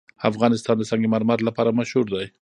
افغانستان د سنگ مرمر لپاره مشهور دی.